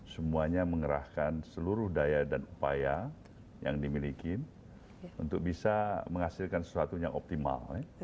semuanya mengerahkan seluruh daya dan upaya yang dimiliki untuk bisa menghasilkan sesuatu yang optimal